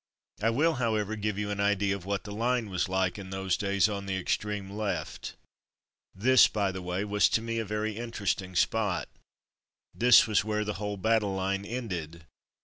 I will, however, give you an idea of what the line was like in those days on the extreme left. This, by the way. U A ^ ^''^ciJGj 'aid '• was to me a very interesting spot. This was where the whole battle line ended.